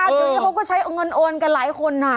เดี๋ยวนี้เขาก็ใช้เงินโอนกันหลายคน